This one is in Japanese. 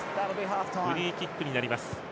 フリーキックになります。